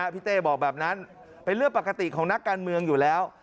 พี่เต้บอกแบบนั้นเป็นเรื่องปกติของนักการเมืองอยู่แล้ว